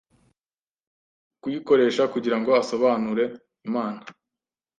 kuyikoresha kugirango asobanure Imana